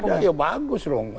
nggak ada ya bagus dong